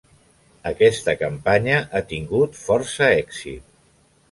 Aquesta campanya ha tingut força èxit.